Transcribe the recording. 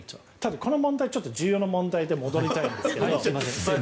この問題はちょっと重要な問題で戻りたいんですけど。